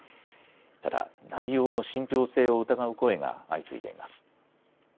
ただ、内容の信ぴょう性を疑う声が相次いでいます。